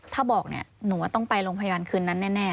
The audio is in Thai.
ถ้าบอกเนี่ยหนูว่าต้องไปโรงพยาบาลคืนนั้นแน่